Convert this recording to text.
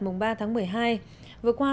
mùng ba tháng một mươi hai vừa qua